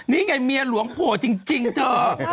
นี่ไงเมียหลวงโผล่จริงเธอ